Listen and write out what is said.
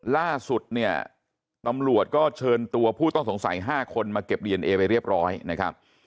ล่าสุดเนี่ยตำรวจก็เชิญตัวผู้ต้องสงสัย๕คนมาเก็บดีเอนเอไปเรียบร้อยนะครับ